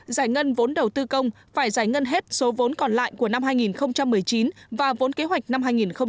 giải ngân vốn đầu tư công phải giải ngân hết số vốn còn lại của năm hai nghìn một mươi chín và vốn kế hoạch năm hai nghìn hai mươi